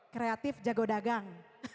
kreatif jago dagang